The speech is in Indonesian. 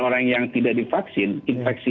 orang yang tidak divaksin infeksi